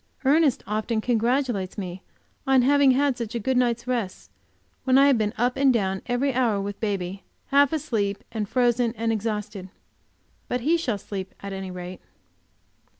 Ernest often congratulates me on having had such a good night's rest, when I have been up and down every hour with baby, half asleep frozen and exhausted. But he shall sleep at any rate.